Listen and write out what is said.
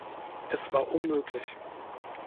Es war unmöglich.